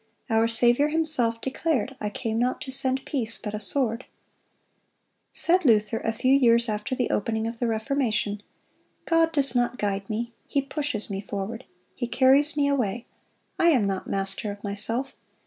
Our Saviour Himself declared, "I came not to send peace, but a sword,"(166) Said Luther, a few years after the opening of the Reformation: "God does not guide me, He pushes me forward, He carries me away. I am not master of myself.